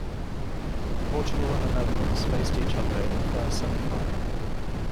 Portugal and the Netherlands faced each other in the first semi-final.